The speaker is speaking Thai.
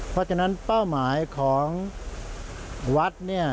เพราะฉะนั้นเป้าหมายของวัดเนี่ย